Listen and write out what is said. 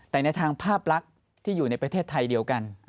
แต่ในทางภาพลักษณ์ที่อยู่ในประเทศไทยเดียวกัน